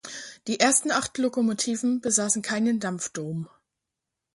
Die ersten acht Lokomotiven besaßen keinen Dampfdom.